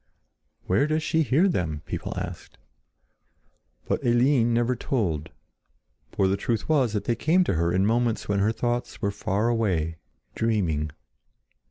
"Where does she hear them?" people asked. But Eline never told. For the truth was that they came to her in moments when her thoughts were far away, dreaming.